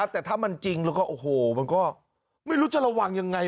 แต่ถ้ามันจริงแล้วก็โอ้โหมันก็ไม่รู้จะระวังยังไง